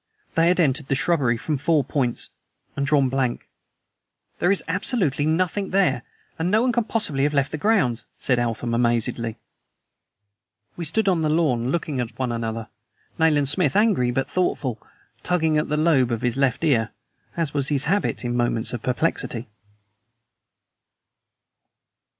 They had entered the shrubbery from four points and drawn blank. "There is absolutely nothing there, and no one can possibly have left the grounds," said Eltham amazedly. We stood on the lawn looking at one another, Nayland Smith, angry but thoughtful, tugging at the lobe of his left ear, as was his habit in moments of perplexity.